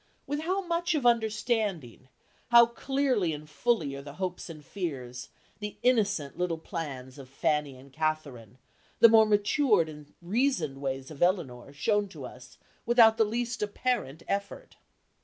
With how much of understanding, how clearly and fully are the hopes and fears, the innocent little plans of Fanny and Catherine, the more mature and reasoned ways of Elinor shown to us, without the least apparent effort.